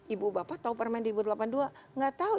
ibu bapak tahu permendikbud delapan puluh dua nggak tahu